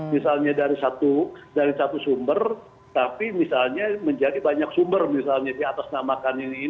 misalnya dari satu sumber tapi misalnya menjadi banyak sumber misalnya di atas namakan ini